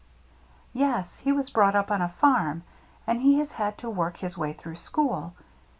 " Yes. He was brought up on a farm, and he has had to work his way through school.